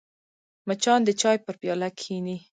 مچان د چای پر پیاله کښېني